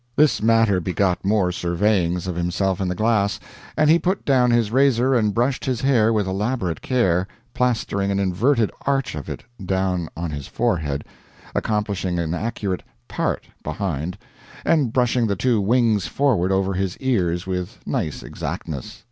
This matter begot more surveyings of himself in the glass, and he put down his razor and brushed his hair with elaborate care, plastering an inverted arch of it down on his forehead, accomplishing an accurate "part" behind, and brushing the two wings forward over his ears with nice exactness.